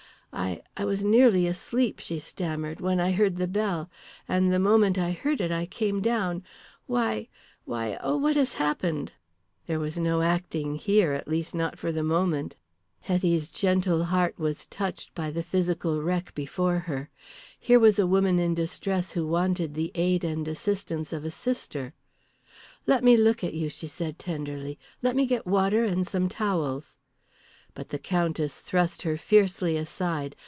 "I I was nearly asleep," she stammered, "when I heard the bell. And the moment I heard it I came down. Why why oh, what has happened?" There was no acting here at least not for the moment. Hetty's gentle heart was touched by the physical wreck before her. Here was a woman in distress who wanted the aid and assistance of a sister. "Let me look at you," she said, tenderly. "Let me get water and some towels." But the Countess thrust her fiercely aside.